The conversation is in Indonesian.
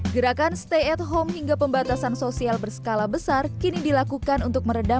gerakan stay at home hingga pembatasan sosial berskala besar kini dilakukan untuk meredam